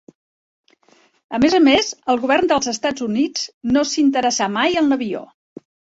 A més a més, el govern dels Estats Units no s'interessà mai en l'avió.